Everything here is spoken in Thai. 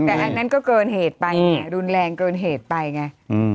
แต่อันนั้นก็เกินเหตุไปเนี่ยรุนแรงเกินเหตุไปไง